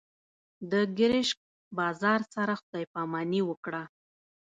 د ګرشک بازار سره خدای پاماني وکړه.